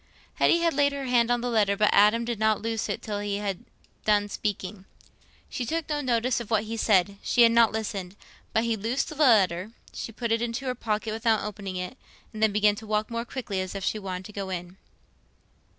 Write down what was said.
Hetty had laid her hand on the letter, but Adam did not loose it till he had done speaking. She took no notice of what he said—she had not listened; but when he loosed the letter, she put it into her pocket, without opening it, and then began to walk more quickly, as if she wanted to go in.